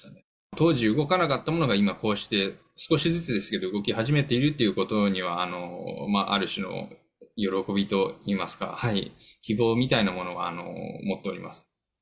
当時、動かなかったものが今、こうして少しずつですけど動き始めてるということには、ある種の喜びといいますか、希望みたいなものは持っております。